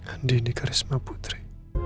andi di karisma putri